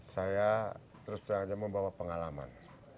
saya terus saja membawa pengalaman